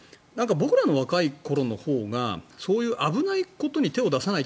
僕らの若い頃のほうがそういう危ないことに手を出さない。